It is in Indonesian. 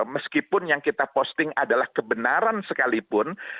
meskipun yang kita posting adalah kebenaran sekalipun